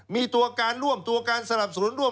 มีตัวการร่วมตัวการสนับสนุนร่วม